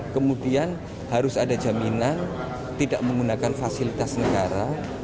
kemudian harus ada jaminan tidak menggunakan fasilitas negara